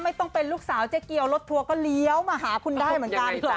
ต้องเป็นลูกสาวเจ๊เกียวรถทัวร์ก็เลี้ยวมาหาคุณได้เหมือนกัน